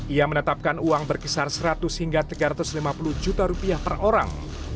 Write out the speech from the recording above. ia menetapkan uang berkisar seratus hingga tiga ratus lima puluh juta rupiah per orang